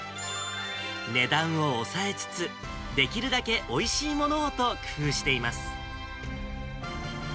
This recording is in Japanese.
値段を抑えつつ、できるだけおいしいものをと工夫しています。